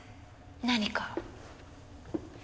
何か？